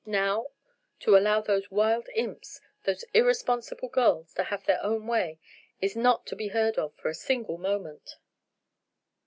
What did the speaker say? Now to allow those wild imps, those irresponsible girls, to have their own way is not to be heard of for a single moment."